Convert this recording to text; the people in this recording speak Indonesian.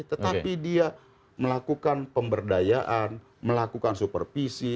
tetapi dia melakukan pemberdayaan melakukan supervisi